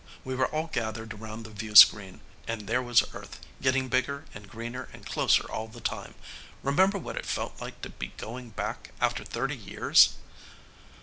We were all gathered around the viewscreen. And there was Earth, getting bigger and greener and closer all the time. Remember what it felt like to be going back, after thirty years?"